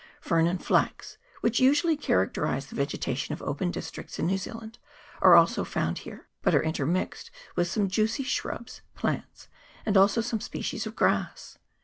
Fern and flax, which usually characterise the vegetation of open districts in New Zealand, are also found here, but are intermixed with some juicy shrubs, plants, and also some species of grass.